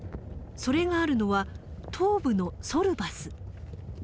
それがあるのは東部のソルバス。